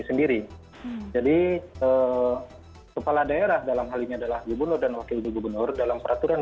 sendiri jadi kepala daerah dalam hal ini adalah gubernur dan wakil gubernur dalam peraturan